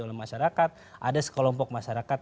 oleh masyarakat ada sekelompok masyarakat